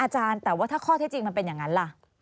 ท่านแต่ว่าถ้าข้อให้จริงเป็นอย่างนั้นล่ะ